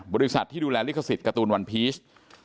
บริษัทที่ดูแลลิขสิทธิ์การ์ตูนวันพีช